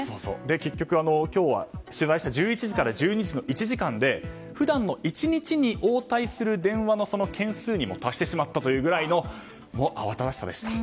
結局、今日は取材した１１時から１２時の１時間で普段の１日に応対する電話の件数に達してしまったというぐらいのあわただしさでした。